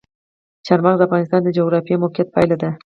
چار مغز د افغانستان د جغرافیایي موقیعت پایله ده.